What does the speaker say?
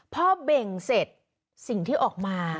พอเบ่งเสร็จสิ่งที่ออกมา